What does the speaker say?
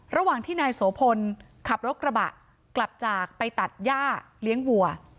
ระหว่างที่นายโสพลขับรถกระบะกลับจากไปตัดย่าเลี้ยงวัว